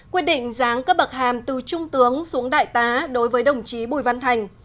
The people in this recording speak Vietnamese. quyết định giáng cấp bậc hàm từ trung tướng xuống đại tá đối với đồng chí bùi văn thành